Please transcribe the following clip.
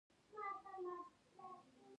افغانستان کې نورستان د هنر په اثار کې منعکس کېږي.